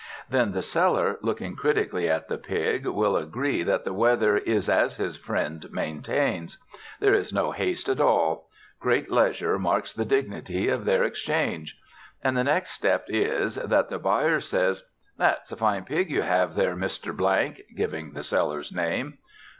Then the seller, looking critically at the pig, will agree that the weather is as his friend maintains. There is no haste at all; great leisure marks the dignity of their exchange. And the next step is, that the buyer says: "That's a fine pig you have there, Mr. " (giving the seller's name).